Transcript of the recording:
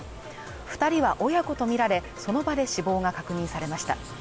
二人は親子とみられその場で死亡が確認されました